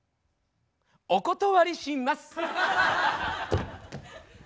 お断りします。